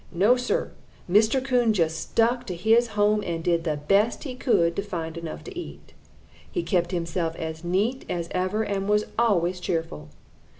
No, Sir, Mr. Coon just stuck to his home and did the best he could to find enough to eat. He kept himself as neat as ever and was always cheerful.